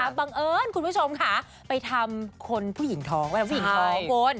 แล้วบังเอิญคุณผู้ชมค่ะไปทำคนผู้หญิงท้องแบบผู้หญิงท้อง